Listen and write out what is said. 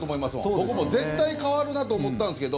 僕、絶対代わるなと思ったんですけど。